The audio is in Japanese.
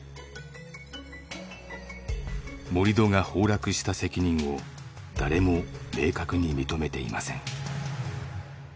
盛り土が崩落した責任を誰も明確に認めていません。